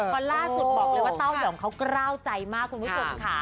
เพราะล่าสุดบอกเลยว่าเต้ายองเขากล้าวใจมากคุณผู้ชมค่ะ